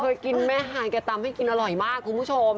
เคยกินแม่ฮายแกตำให้กินอร่อยมากคุณผู้ชม